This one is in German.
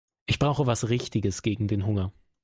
Ich brauche was Richtiges gegen den Hunger.